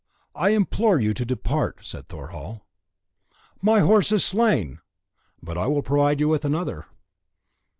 "I implore you to depart," said Thorhall. "My horse is slain!" "But I will provide you with another."